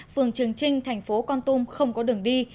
phường trường trinh thành phố con tum không có đường đi